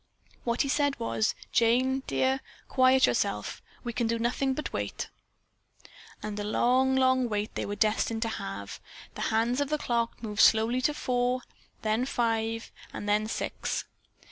What he said was, "Jane, dear, quiet yourself. We can do nothing but wait." And a long, long wait they were destined to have. The hands of the clock moved slowly to four, then five and then six.